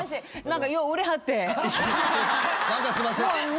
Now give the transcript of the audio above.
何かすいません。